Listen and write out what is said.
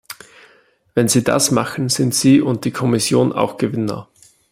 Wenn Sie das machen, sind Sie und die Kommission auch Gewinner.